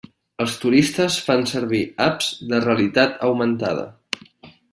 Els turistes fan servir apps de realitat augmentada.